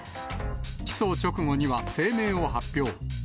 起訴直後には声明を発表。